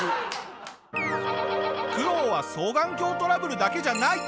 苦労は双眼鏡トラブルだけじゃない。